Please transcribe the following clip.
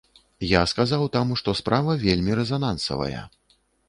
Я сказаў там, што справа вельмі рэзанансавая.